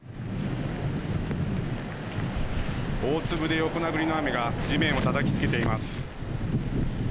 大粒で横殴りの雨が地面をたたきつけています。